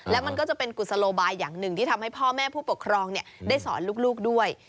และมันก็จะเป็นกุศโลบายอย่างหนึ่งที่ทำให้พ่อแม่ผู้ปกครองได้สอนลูกด้วย